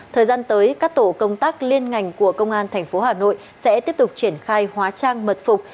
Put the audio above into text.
thời gian tới các tổ công tác liên ngành của công an tp hà nội sẽ tiếp tục triển khai hóa trang mật phục